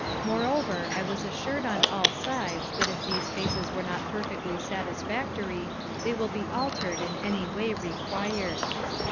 Moreover I was assured on all sides that if these faces are not perfectly satisfactory, they will be altered in any way required.